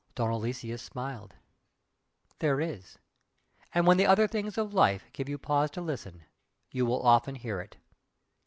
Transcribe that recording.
Don Aloysius smiled. "There is! And when the other things of life give you pause to listen, you will often hear it!"